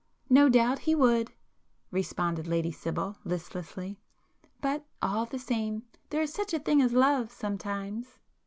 "No doubt he would!" responded Lady Sibyl, listlessly; "But, all the same, there is such a thing as love sometimes."